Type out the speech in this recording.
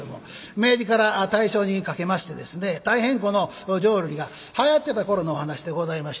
明治から大正にかけましてですね大変この浄瑠璃がはやってた頃のお噺でございまして。